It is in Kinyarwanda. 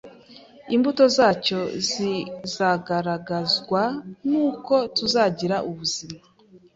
Imbuto zacyo zizagaragazwa n’uko tuzagira ubuzima